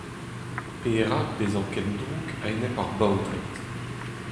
Perak bezañ ken drouk a-enep ar baotred ?